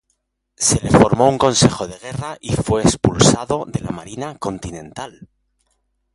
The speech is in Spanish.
Se le formó un consejo de guerra y fue expulsado de la Marina continental.